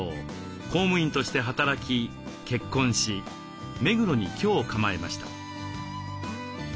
公務員として働き結婚し目黒に居を構えました。